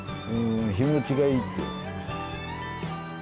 日持ちがいいって。